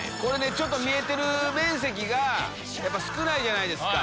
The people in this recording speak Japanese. ちょっと見えてる面積が少ないじゃないですか。